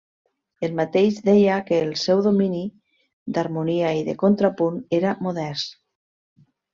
Ell mateix deia que el seu domini d'harmonia i de contrapunt era modest.